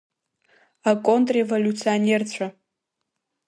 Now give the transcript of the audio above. Аконтреволиуционерцәа!